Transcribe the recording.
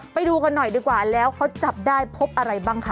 ไปดูกันหน่อยดีกว่าแล้วเขาจับได้พบอะไรบ้างคะ